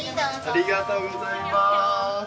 ありがとうございます。